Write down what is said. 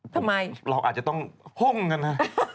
ทำไมเราอาจจะต้องห้งกันนะ